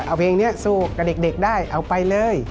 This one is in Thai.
เอาเพลงนี้สู้กับเด็กได้เอาไปเลย